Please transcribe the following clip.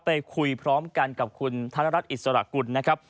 ไปคุยพร้อมกันกับคุณธนรัฐอิสระกุลนะครับ